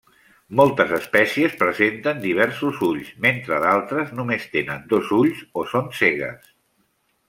Moltes espècies presenten diversos ulls mentre d'altres només tenen dos ulls o són cegues.